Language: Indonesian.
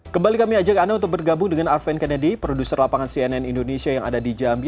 kembali kami ajak anda untuk bergabung dengan arven kennedy produser lapangan cnn indonesia yang ada di jambi